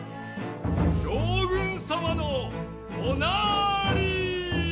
将軍様のおなり。